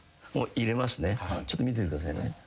ちょっと見ててくださいね。